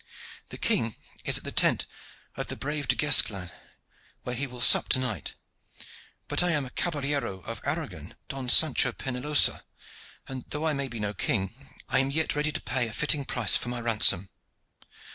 The king is at the tent of the brave Du Guesclin, where he will sup to night. But I am a caballero of Aragon, Don Sancho Penelosa, and, though I be no king, I am yet ready to pay a fitting price for my ransom."